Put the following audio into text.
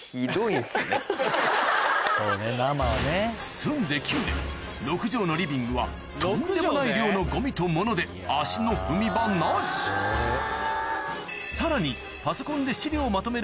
住んで９年６帖のリビングはとんでもない量のゴミと物で足の踏み場なしさらにパソコンで資料をまとめる